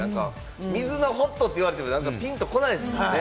水のホットって言われてもピンとこないですもんね。